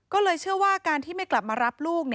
ก็เลยเชื่อว่าการที่ไม่กลับมารับลูก